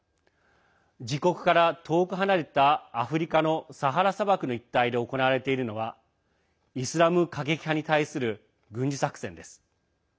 自国から遠くはなれたアフリカのサハラ砂漠の一帯で行われているのはイスラム過激派に対する軍事作戦です。